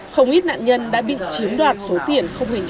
không ít nạn nhân đã bị chiếm đoạt số tiền không hình